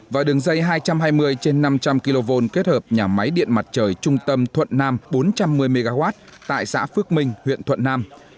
và đường dây hai trăm hai mươi trên năm trăm linh kv kết hợp nhà máy điện mặt trời trung tâm thuận nam bốn trăm một mươi mw tại xã phước minh huyện thuận nam